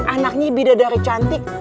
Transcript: anaknya bidadari cantik